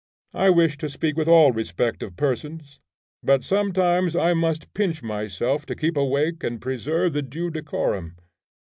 I wish to speak with all respect of persons, but sometimes I must pinch myself to keep awake and preserve the due decorum.